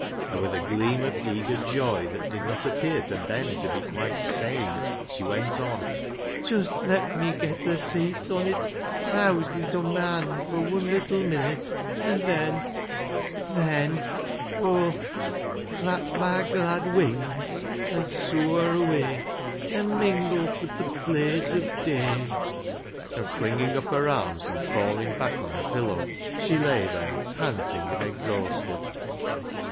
And with a gleam of eager joy that did not ap pear to Ben to be quite sane, she went on — "Just let me get a seet on it an' howd it in my bond fur wun little minute, an' then, an* then— Aw'll —' Clap my glad wings and sooar away, An' mingle with the blaze of day.'" 222 BECKSIDE LIGHTS And flinging up her arms and falling back on her pillow, she lay there panting and exhausted.